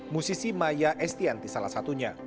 musisi maya estianti salah satunya